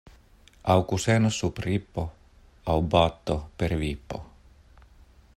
Aŭ kuseno sub ripo, aŭ bato per vipo.